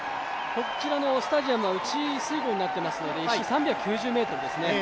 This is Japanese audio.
こちらのスタジアムは、内水濠になっていますので１周３９０ｍですね。